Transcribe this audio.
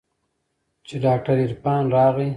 چې ډاکتر عرفان راغى.